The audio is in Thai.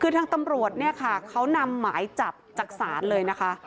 คือทางตำรวจเนี่ยค่ะเขานำหมายจับจากศาลเลยนะคะ